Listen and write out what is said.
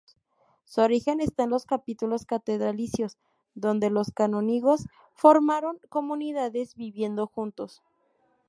Su origen está en los capítulos catedralicios, donde los canónigos formaron comunidades viviendo juntos.